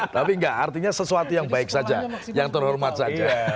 tapi enggak artinya sesuatu yang baik saja yang terhormat saja